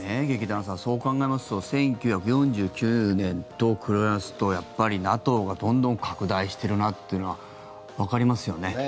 劇団さん、そう考えますと１９４９年と比べますとやっぱりＮＡＴＯが、どんどん拡大しているなというのはわかりますよね。